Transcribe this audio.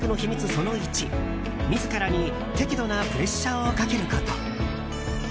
その１、自らに適度なプレッシャーをかけること。